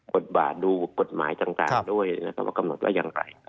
กฎบาทดูกฎหมายต่างด้วยว่าอย่างไร